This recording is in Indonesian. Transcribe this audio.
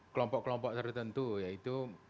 kelompok kelompok tertentu yaitu